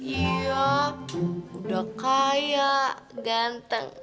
iya udah kaya ganteng